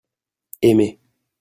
aimez.